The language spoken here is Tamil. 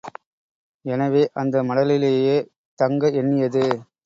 எனவே, அந்த மடலிலேயே தங்க எண்ணியது.